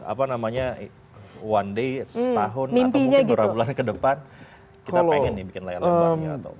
apa namanya one day setahun atau mungkin dua bulan ke depan kita pengen nih bikin layar lebarnya atau